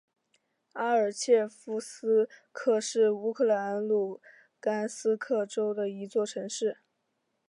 阿尔切夫斯克是乌克兰卢甘斯克州的一座城市。